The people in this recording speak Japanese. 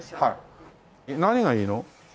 何がいいの？